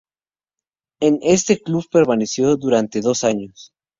En este club permaneció durante dos años.